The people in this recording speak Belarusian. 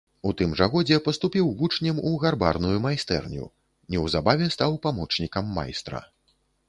У тым жа годзе паступіў вучнем у гарбарную майстэрню, неўзабаве стаў памочнікам майстра.